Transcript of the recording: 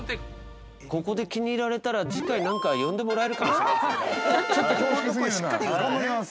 ◆ここで気に入られたら、次回、何か呼んでもらえるかもしれません。